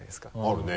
あるね。